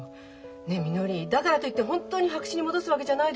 ねえみのりだからと言って本当に白紙に戻すわけじゃないでしょう？